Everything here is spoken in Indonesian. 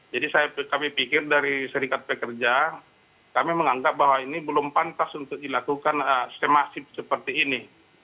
jadi kami pikir dari serikat pekerja kami menganggap bahwa ini belum pantas untuk dilakukan semaksim seperti ini